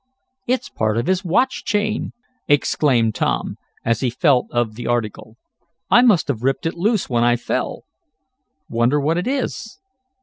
"It's part of his watch chain!" exclaimed Tom, as he felt of the article. "I must have ripped it loose when I fell. Wonder what it is?